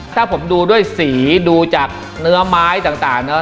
ถ้าผมดูด้วยสีดูจากเนื้อไม้ต่างเนอะ